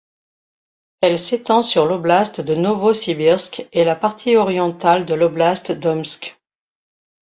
Elle s'étend sur l'oblast de Novossibirsk et la partie orientale de l'oblast d'Omsk.